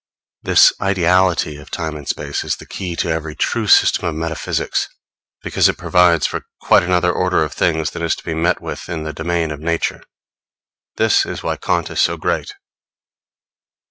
This ideality of Time and Space is the key to every true system of metaphysics; because it provides for quite another order of things than is to be met with in the domain of nature. This is why Kant is so great.